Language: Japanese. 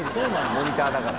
モニターだから。